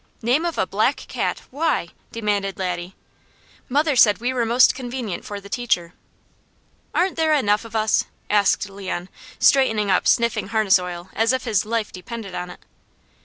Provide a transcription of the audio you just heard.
"Name of a black cat, why?" demanded Laddie. "Mother said we were most convenient for the teacher." "Aren't there enough of us?" asked Leon, straightening up sniffing harness oil as if his life depended on it.